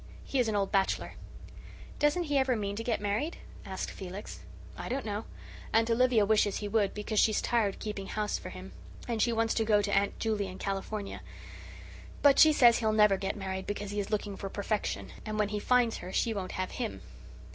He is an old bachelor." "Doesn't he ever mean to get married?" asked Felix. "I don't know. Aunt Olivia wishes he would, because she's tired keeping house for him, and she wants to go to Aunt Julia in California. But she says he'll never get married, because he is looking for perfection, and when he finds her she won't have HIM."